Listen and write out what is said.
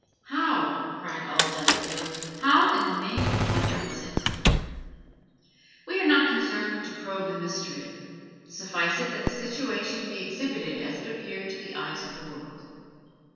How cried all Dunfield how in the name of wonder was it done? We are not concerned to probe the mystery; suffice it that the situation be exhibited as it appeared to the eyes of the world.